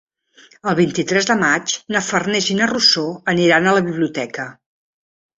El vint-i-tres de maig na Farners i na Rosó aniran a la biblioteca.